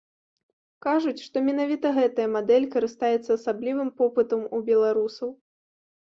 Кажуць, што менавіта гэтая мадэль карыстаецца асаблівым попытам ў беларусаў.